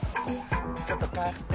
ちょっと貸して。